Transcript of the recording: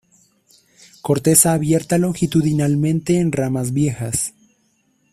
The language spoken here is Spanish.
Corteza abierta longitudinalmente en ramas viejas.